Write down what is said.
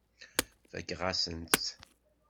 Fakeɣ-asen-tt.